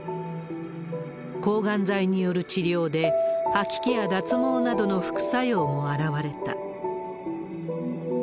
抗がん剤による治療で、吐き気や脱毛などの副作用も現れた。